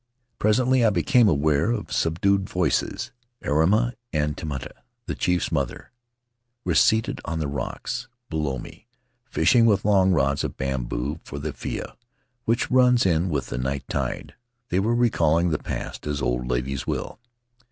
Presently I became aware of subdued voices — Airima and Tino mana, the chief's mother, were seated on the rocks below me, fishing with long rods of bamboo for the faia which runs in with the night tide. They were recalling the past, as old ladies will.